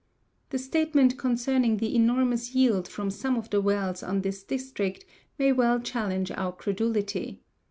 The statement concerning the enormous yield from some of the wells of this district may well challenge our credulity.